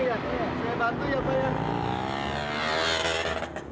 saya bantu ya pak